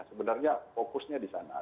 sebenarnya fokusnya di sana